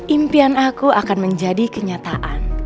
impian aku akan menjadi kenyataan